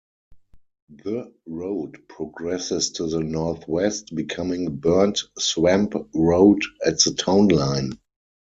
The road progresses to the northwest, becoming Burnt Swamp Road at the town line.